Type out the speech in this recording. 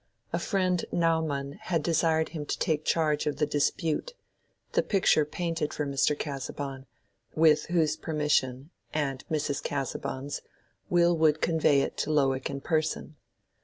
His friend Naumann had desired him to take charge of the "Dispute"—the picture painted for Mr. Casaubon, with whose permission, and Mrs. Casaubon's, Will would convey it to Lowick in person.